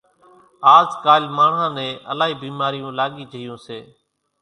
آز ڪالِ ماڻۿان نين الائِي ڀيمارِيون لاڳِي جھيوُن سي۔